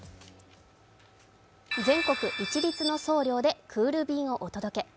全国一律の送料でクール便をお届け。